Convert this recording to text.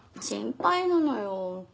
心配なのよ。